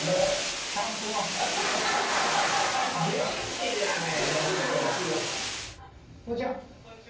元気じゃない！